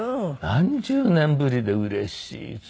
何十年ぶりでうれしい。